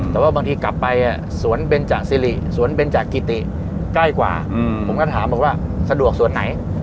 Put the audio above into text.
แต่ว่าบางทีกลับไปสวนเบนจสิริสวนเบนจากกิติใกล้กว่าผมก็ถามบอกว่าสะดวกสวนไหน